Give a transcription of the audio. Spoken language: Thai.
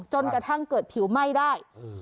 จนกระทั่งเกิดผิวไหม้ได้